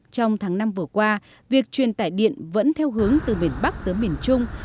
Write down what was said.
trong tháng năm vừa qua việc truyền tải điện vẫn theo hướng từ miền bắc tới miền trung